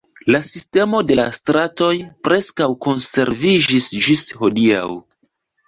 La sistemo de la stratoj preskaŭ konserviĝis ĝis hodiaŭ.